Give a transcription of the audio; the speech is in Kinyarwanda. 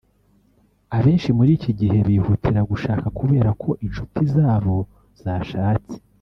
Abenshi muri iki gihe bihutira gushaka kubera ko inshuti zabo zashatse